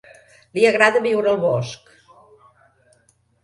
Li agrada viure al bosc.